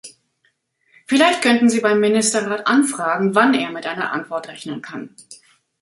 Vielleicht könnten Sie beim Ministerrat anfragen, wann er mit einer Antwort rechnen kann.